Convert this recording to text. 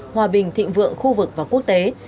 hòa bình thịnh vượng khu vực và quốc tế